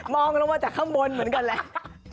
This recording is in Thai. ลงมาจากข้างบนเหมือนกันแหละ